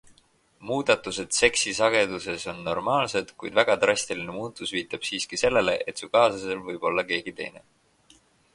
Muudatused seksi sageduses on normaalsed, kuid väga drastiline muutus viitab siiski sellele, et su kaaslasel võib olla keegi teine.